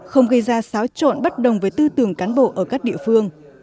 không gây ra xáo trộn bất đồng với tư tưởng cán bộ ở các địa phương